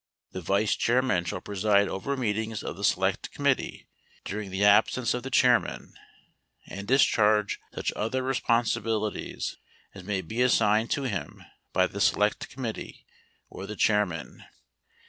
The vice chairman shall preside over meetings of the select committee during the 1233 3 1 absence of the chairman, and discharge such other responsi 2 bilities as may be assigned to him by the select committee or 3 the chairman.